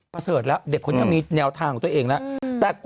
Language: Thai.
ประเสริฐแล้วเด็กคนนี้มีแนวทางของตัวเองแล้ว